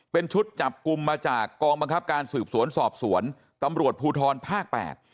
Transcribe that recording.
เป็นชุดจับกลุ่มมาจากกองบังคับการสืบสวนสอบสวนตำรวจภูทรภาคแปด